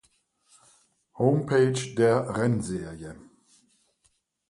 Homepage der Rennserie